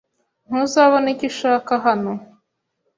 Ntuzabona icyo ushaka hano.